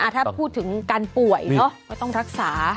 ถ้าพูดถึงการป่วยก็ต้องรักษา